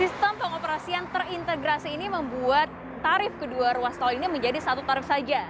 sistem pengoperasian terintegrasi ini membuat tarif kedua ruas tol ini menjadi satu tarif saja